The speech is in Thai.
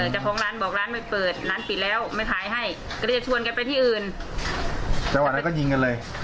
จากของร้านบอกร้านไม่เปิดร้านปิดแล้วไม่ขายให้ก็เลยจะชวนไปที่อื่น